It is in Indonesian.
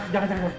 jangan jangan mas